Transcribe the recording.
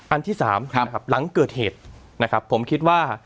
อันที่๓หลังเกิดเหตุนะครับผมคิดว่า